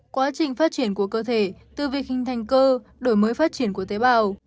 quá trình phát triển của cơ thể từ việc hình thành cơ đổi mới phát triển của tế bào